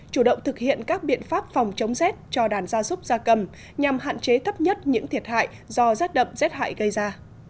chủ động thực hiện các biện pháp phòng chống rét cho đàn gia súc gia cầm nhằm hạn chế thấp nhất những thiệt hại do rét đậm rét hại gây ra